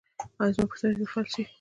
ایا زما پښتورګي به فلج شي؟